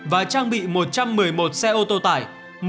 và trang bị một trăm một mươi một xe ô tô tải